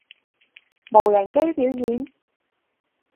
無人機表演